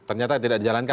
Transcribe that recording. ternyata tidak dijalankan